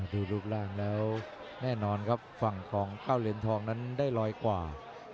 ดูรูปร่างแล้วแน่นอนครับฝั่งของเก้าเหรียญทองนั้นได้ร้อยกว่า